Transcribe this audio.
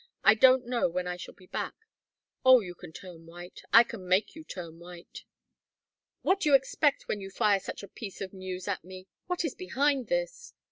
I don't know when I shall be back Oh, you can turn white I can make you turn white!" "What do you expect when you fire such a piece of news at me? What is behind this?"